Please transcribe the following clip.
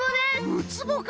ウツボか！